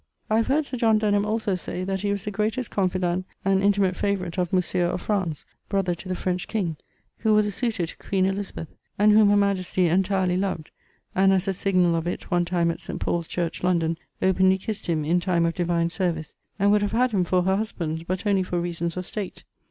I have heard Sir John Denham also say that he was the greatest confident and intimate favorite of Monsieur of France (brother to the French king), who was a suitor to queen Elizabeth, and whom her majestie entirely loved (and as a signall of it one time at St. Paule's church, London, openly kissed him in time of divine service) and would have had him for her husband, but only for reasons of state.